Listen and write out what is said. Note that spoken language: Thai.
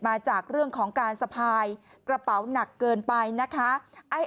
มาจากเรื่องของการสะพายกระเป๋าหนักเกินไปนะคะ